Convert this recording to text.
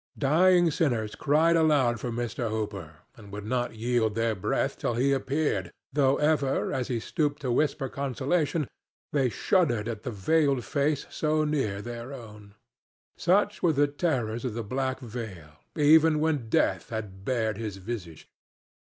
Dying sinners cried aloud for Mr. Hooper and would not yield their breath till he appeared, though ever, as he stooped to whisper consolation, they shuddered at the veiled face so near their own. Such were the terrors of the black veil even when Death had bared his visage.